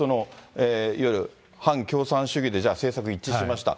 いわゆる反共産主義で、じゃあ、政策一致しました。